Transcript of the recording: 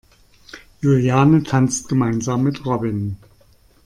Juliane tanzt gemeinsam mit Robin.